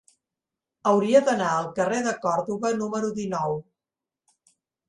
Hauria d'anar al carrer de Còrdova número dinou.